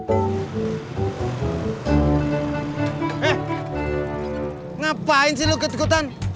eh ngapain sih lo ketikutan